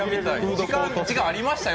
時間ありましたよ。